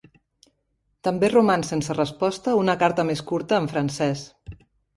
També roman sense resposta una carta més curta en francès.